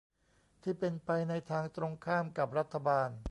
ที่เป็นไปในทางตรงข้ามกับรัฐบาล